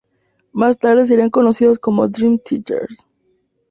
Más tarde serían conocidos como Dream Theater.